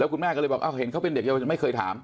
คุณแม่ก็เลยบอกเห็นเขาเป็นเด็กเยาวชนไม่เคยถาม